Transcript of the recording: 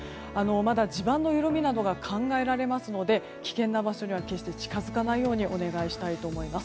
地盤のゆるみなどが考えられますので危険な場所には決して近づかないようにお願いしたいと思います。